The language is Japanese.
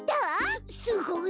すすごい！